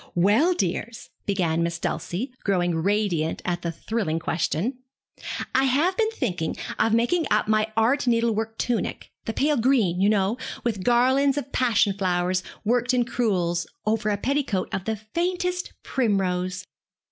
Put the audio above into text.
'Well, dears,' began Miss Dulcie, growing radiant at the thrilling question, 'I have been thinking of making up my art needlework tunic the pale green, you know, with garlands of passion flowers, worked in crewels over a petticoat of the faintest primrose.'